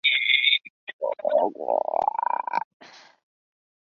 三门核电站位于中国浙江省台州市三门县猫头山。